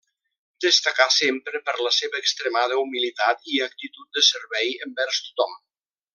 Destacà sempre per la seva extremada humilitat i actitud de servei envers tothom.